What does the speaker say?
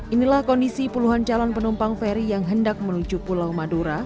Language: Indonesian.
inilah kondisi puluhan calon penumpang ferry yang hendak menuju pulau madura